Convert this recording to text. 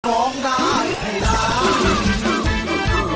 ร้องได้ให้ร้าน